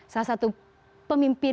salah satu pemimpin